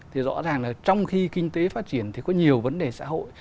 thì rõ ràng là trong khi kinh tế phát triển thì có nhiều vấn đề xã hội